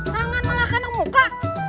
tangan malah kena muka